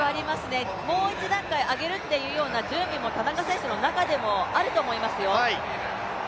もう一段階上げるというような準備も田中選手の中でもあると思いますよ。